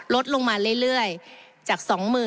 ลดลงมาเรื่อยจาก๒๐๐๐๐๑๙๐๐๐๑๘๐๐๐๑๗๐๐๐